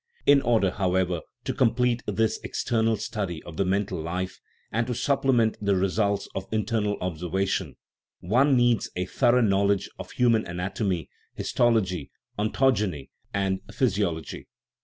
In order, however, to complete this external study of the mental life, and to supplement the results of internal observation, one needs a thorough knowl edge of human anatomy, histology, ontogeny, and physiology.